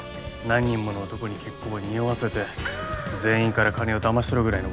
何人もの男に結婚を匂わせて全員から金をだまし取るぐらいのことしないと。